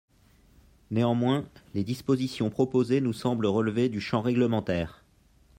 Néanmoins, les dispositions proposées nous semblent relever du champ réglementaire.